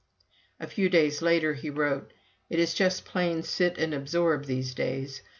A few days later he wrote: "It is just plain sit and absorb these days.